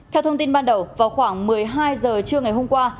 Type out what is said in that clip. theo thông tin ban đầu vào khoảng một mươi hai h trưa ngày hôm qua